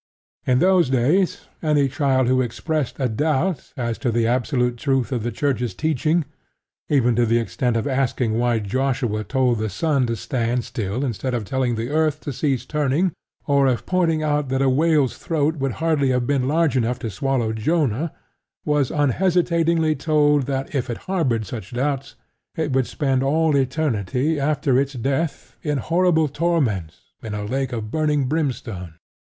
In those days, any child who expressed a doubt as to the absolute truth of the Church's teaching, even to the extent of asking why Joshua told the sun to stand still instead of telling the earth to cease turning, or of pointing out that a whale's throat would hardly have been large enough to swallow Jonah, was unhesitatingly told that if it harboured such doubts it would spend all eternity after its death in horrible torments in a lake of burning brimstone.